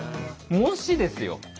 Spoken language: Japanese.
もしですよ